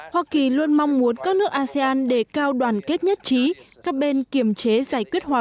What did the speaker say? hoa kỳ luôn mong muốn các nước asean đề cao đoàn kết nhất trí các bên kiểm chế giải quyết hòa